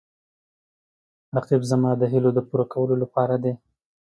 رقیب زما د هیلو د پوره کولو لپاره دی